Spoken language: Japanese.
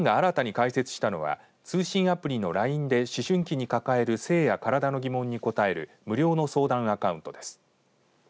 県が新たに開設したのは通信アプリのＬＩＮＥで思春期に抱える性や体の疑問に答える無料の相談カウントです。